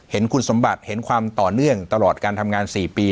เห็นคุณสมบัติเห็นความต่อเนื่องตลอดการทำงาน๔ปี